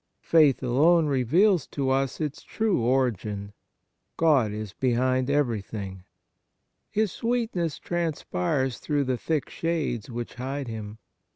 Faith alone reveals to us its true origin. God is behind everything. His sweetness transpires through the thick shades which hide Him.